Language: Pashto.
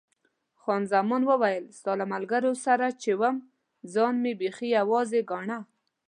خان زمان وویل، ستا له ملګرو سره چې وم ځان مې بیخي یوازې ګاڼه.